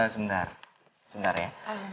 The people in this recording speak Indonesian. sebentar sebentar ya